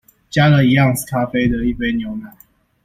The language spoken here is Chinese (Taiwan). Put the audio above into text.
加了一盎司咖啡的一杯牛奶